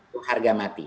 itu harga mati